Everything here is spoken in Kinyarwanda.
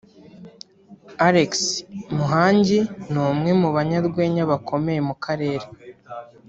Alex Muhangi ni umwe mu banyarwenya bakomeye mu Karere